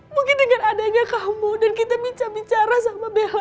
mungkin dengan adanya kamu dan kita minta bicara sama behavi